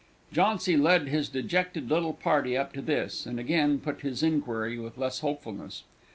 Jauncy led his dejected little party up to this, and again put his inquiry with less hopefulness.